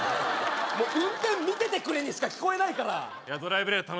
もう「運転見ててくれ」にしか聞こえないからいやドライブデート